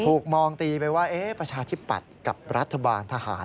ถูกมองตีไปว่าประชาธิปัตย์กับรัฐบาลทหาร